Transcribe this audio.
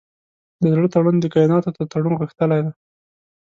د زړه تړون د کایناتو تر تړون غښتلی دی.